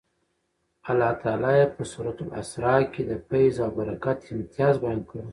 الله تعالی یې په سورة الاسرا کې د فیض او برکت امتیاز بیان کړی.